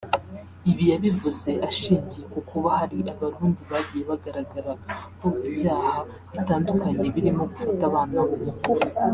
Ibi yabivuze ashingiye ku kuba hari Abarundi bagiye bagaragara ho ibyaha bitandukanye birimo gufata abana ku ngufu